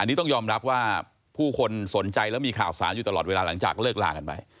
อันนี้ต้องยอมรับว่าผู้คนสนใจแล้วมีข่าวสารอยู่ตลอดเวลาหลังจากเลิกลากันไป